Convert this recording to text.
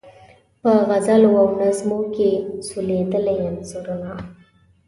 په غزلو او نظمو کې سولیدلي انځورونه